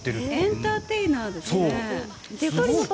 エンターテイナーですね。